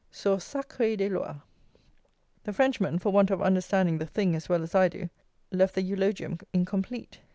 Source sacrée des lois! The Frenchman, for want of understanding the THING as well as I do, left the eulogium incomplete.